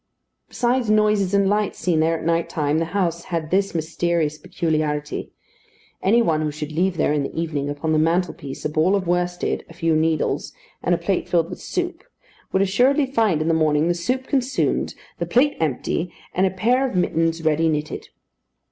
Besides noises and lights seen there at night time, the house had this mysterious peculiarity: any one who should leave there in the evening, upon the mantelpiece, a ball of worsted, a few needles, and a plate filled with soup, would assuredly find, in the morning, the soup consumed, the plate empty, and a pair of mittens ready knitted.